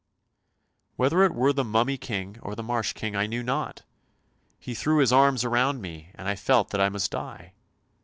Whether it were the Mummy King or the Marsh King I knew not. He threw his arms around me, and I felt that I must die.